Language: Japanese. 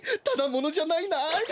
ただものじゃないなあ。